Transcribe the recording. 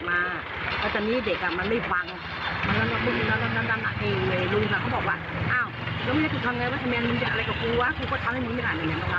ไม่มีร้านแบบนี้ถ้าพูดนะ